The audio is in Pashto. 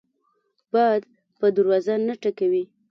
باد په دروازه نه ټکوي